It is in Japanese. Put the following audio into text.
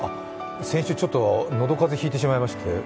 先週ちょっと喉風邪ひいてしまいまして。